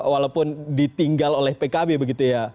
walaupun ditinggal oleh pkb begitu ya